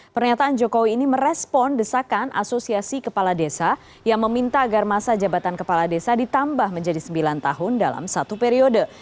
pernyataan jokowi ini merespon desakan asosiasi kepala desa yang meminta agar masa jabatan kepala desa ditambah menjadi sembilan tahun dalam satu periode